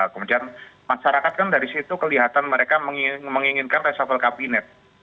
kemudian masyarakat kan dari situ kelihatan mereka menginginkan resafel kabinet